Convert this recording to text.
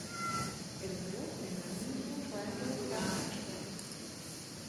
It is built in an unusual triangular cross section.